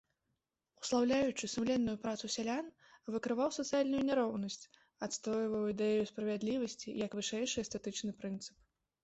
Услаўляючы сумленную працу сялян, выкрываў сацыяльную няроўнасць, адстойваў ідэю справядлівасці як вышэйшы эстэтычны прынцып.